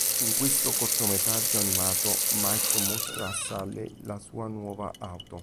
In questo cortometraggio animato, Mike mostra a Sulley la sua nuova auto.